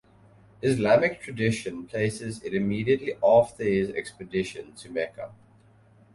Islamic tradition places it immediately after his expedition to Mecca.